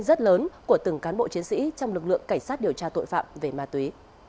rất lớn của từng cán bộ chiến sĩ trong lực lượng cảnh sát điều tra tội phạm về ma túy